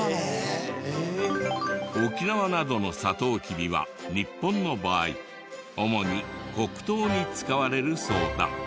沖縄などのサトウキビは日本の場合主に黒糖に使われるそうだ。